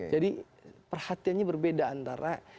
jadi perhatiannya berbeda antara